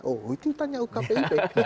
oh itu ditanya ukpip